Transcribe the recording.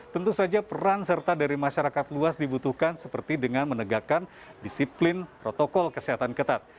tentu saja peran serta dari masyarakat luas dibutuhkan seperti dengan menegakkan disiplin protokol kesehatan ketat